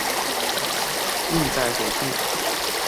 中型运载火箭近地轨道酬载能力的运载火箭。